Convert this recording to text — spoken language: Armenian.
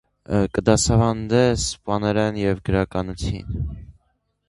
Կը դասաւանդէ սպաներէն եւ գրականութիւն։